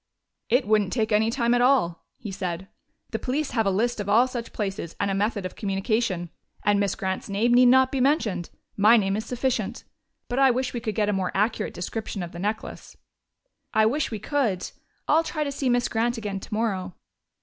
"It wouldn't take any time at all," he said. "The police have a list of all such places and a method of communication. And Miss Grant's name need not be mentioned my name is sufficient. But I wish we could get a more accurate description of the necklace." "I wish we could. I'll try to see Miss Grant again tomorrow."